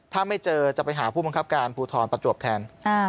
ถ้าไม่เจอจะไปหาผู้บังคับการภูทรประจวบแทน